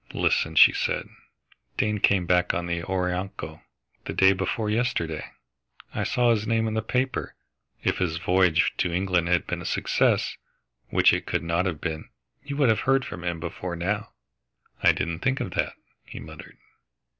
"Listen," she said, "Dane came back on the Orinoco, the day before yesterday. I saw his name in the paper. If his voyage to England had been a success, which it could not have been, you would have heard from him before now." "I didn't think of that," he muttered.